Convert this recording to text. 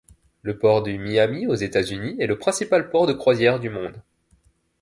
Le port de Miami, aux États-Unis, est le principal port de croisière du monde.